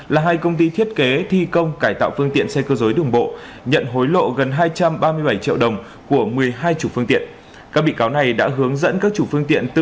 là hai công ty thiết kế thi công cải tạo phương tiện